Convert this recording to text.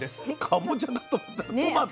かぼちゃかと思ったらトマト？